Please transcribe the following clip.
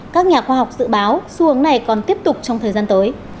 các nhà khoa học dự báo xu hướng này còn tiếp tục trong thời gian tới